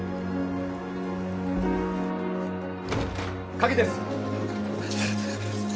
・鍵です。